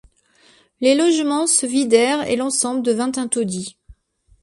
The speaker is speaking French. Les logement se vidèrent et l'ensemble devint un taudis.